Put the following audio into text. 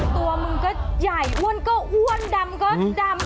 ตัวมึงก็ใหญ่อ้วนก็อ้วนดำก็ดำ